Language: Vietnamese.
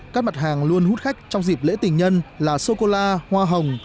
các mặt hàng luôn hút khách trong dịp lễ tình nhân là sô cô la hoa hồng